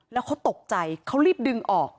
แล้วเขาตกใจเขารีบดึงออก